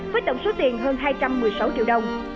với tổng số tiền hơn hai trăm một mươi sáu triệu đồng